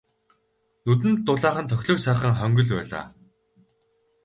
Нүдэнд дулаахан тохилог сайхан хонгил байлаа.